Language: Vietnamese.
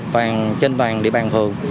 toàn trên toàn địa bàn phường